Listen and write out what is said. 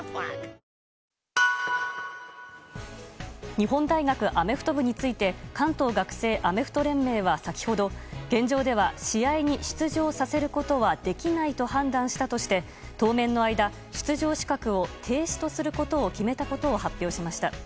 日本大学アメフト部員について関東学生アメフト連盟は先ほど現状では試合に出場させることはできないと判断したとして当面の間出場資格を停止とすることを決めたことを発表しました。